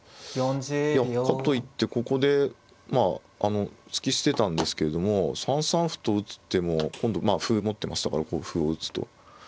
かといってここでまあ突き捨てたんですけれども３三歩と打つ手も今度まあ歩持ってましたからこう歩を打つと。